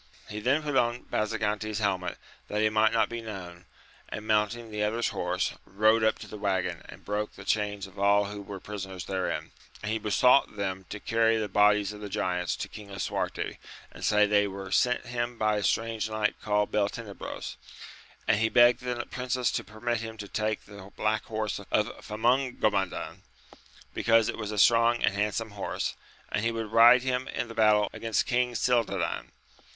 He then put on Basagante's helmet that he might not be known, and mounting the other's horse, rode up to the waggon and broke the chains of all who were prisoners therein, and he besought them to carry the bodies of the giants to King Lisuarte, and say they were sent him by a strange knight called Beltenebros ; and he begged the princess to permit him to take the black horse of Famongomadan, because it was a strong and handsome horse, and he would ride him in the battle against King Cildadan.